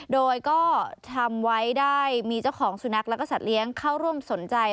โดยก็ทำไว้ได้มีเจ้าของสุนัขแล้วก็สัตว์เลี้ยงเข้าร่วมสนใจ